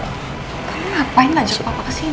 kamu ngapain ajak papa ke sini